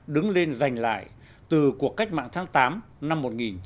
đứng lên giành lại từ cuộc cách mạng tháng tám năm một nghìn chín trăm bốn mươi năm